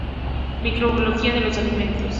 Microbiología de los alimentos.